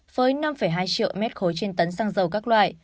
với năm hai triệu mét khối trên tấn xăng dầu các loại